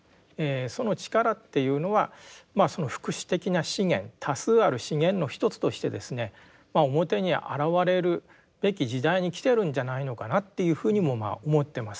その力っていうのはまあ福祉的な資源多数ある資源の一つとしてですね表に現れるべき時代に来てるんじゃないのかなっていうふうにも思ってます。